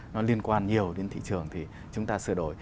nó liên quan nhiều đến thị trường thì chúng ta sửa đổi